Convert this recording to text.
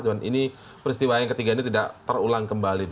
dan ini peristiwa yang ketiga ini tidak terulang kembali